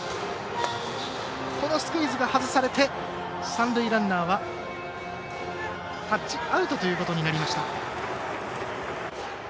このスクイズがはずされて三塁ランナーはタッチアウトということになりました。